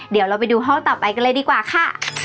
เดี๋ยวเราไปดูห้องต่อไปกันเลยดีกว่าค่ะ